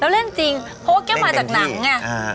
แล้วเล่นจริงเพราะว่าแก้วมาจากหนังไง